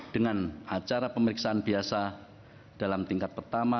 dengan acara pemeriksaan biasa dalam tingkat pertama